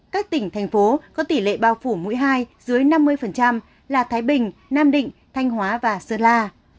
các tỉnh thành phố có tỷ lệ bao phủ mũi hai dưới năm mươi là thái bình nam định thanh hóa và sơn la